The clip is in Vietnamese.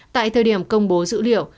tại thời điểm công bố dữ liệu